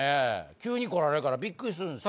急に来られるからびっくりするんですよ。